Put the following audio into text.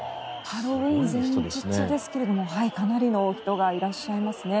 ハロウィーン前日ですけれどもかなりの人がいらっしゃいますね。